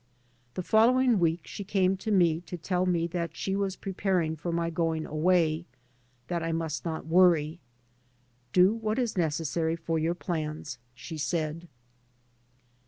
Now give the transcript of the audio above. The following week she came to me to tell me that she was preparing for my going away, that I must not worry. " Do what is necessary for your plans," she said.